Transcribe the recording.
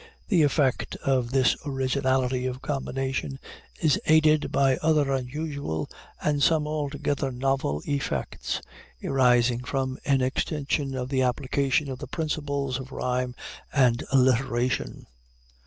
The effect of this originality of combination is aided by other unusual, and some altogether novel effects, arising from an extension of the application of the principles of rhyme and alliteration.